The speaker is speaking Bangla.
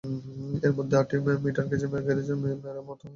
এরই মধ্যে আটটি মিটারগেজ ক্যারেজ মেরামতের জন্য সৈয়দপুর কারখানায় আনা হয়েছে।